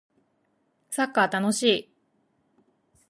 サッカー楽しい